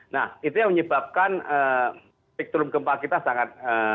nah itu yang menyebabkan spektrum gempa kita sangat